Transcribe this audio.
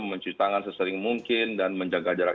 mencuci tangan sesering mungkin dan menjaga jarak